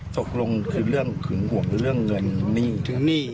ตกลงคือเรื่องหึงห่วงเรื่องเงินหนี้ถึงหนี้